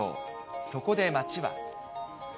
そこで町は。